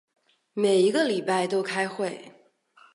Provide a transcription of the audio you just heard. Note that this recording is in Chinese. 每一个礼拜都开会。